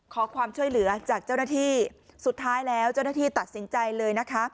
ขอความช่วยเหลือจากเจ้าหน้าที่สุดท้ายแล้วเจ้าหน้าที่ตัดสินใจเลยนะคะ